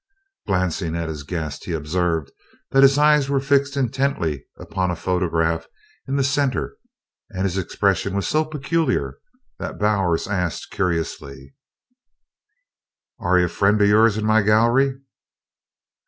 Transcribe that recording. Glancing at his guest he observed that his eyes were fixed intently upon a photograph in the center and his expression was so peculiar that Bowers asked, curiously: "Ary friend o' yours in my gallery?"